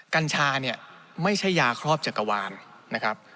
กัญชาเนี่ยไม่ใช่ยาครอบจักรวาลนะครับ